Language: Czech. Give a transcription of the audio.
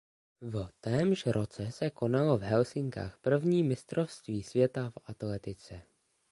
V témž roce se konalo v Helsinkách první mistrovství světa v atletice.